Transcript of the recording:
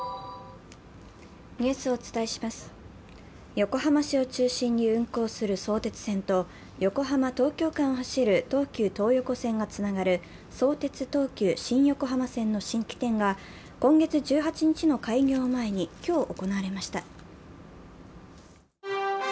横浜市を中心に運行する相鉄線と横浜ー東京間を走る東急東横線がつながる相鉄・東急新横浜線の式典が今月１８日の開業を前に今日行われました。